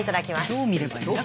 どう見ればいいんだ？